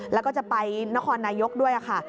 แล้วก็จะไปนครนายกด้วยค่ะ